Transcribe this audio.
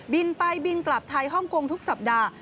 บินไปบินกลับไทยฮ่องกงทุกสัปดาห์